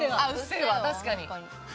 確かに。